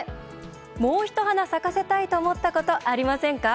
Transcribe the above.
もう一花咲かせたいと思ったことありませんか？